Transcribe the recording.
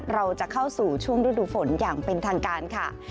เราจะเข้าสู่ช่วงฤดูฝนอย่างเป็นทางการค่ะ